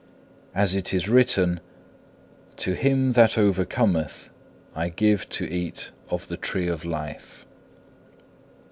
As it is written, To him that overcometh I will give to eat of the tree of life.